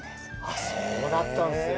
あっそうだったんすね。